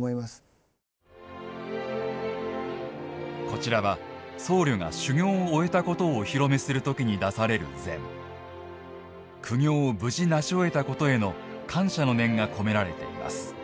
こちらは僧侶が修行を終えたことをお披露目する時に出される膳苦行をなし終えたことへの感謝の念がこめられています。